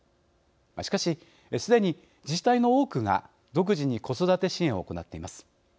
しかし、すでに自治体の多くが独自に子育て支援を行っています。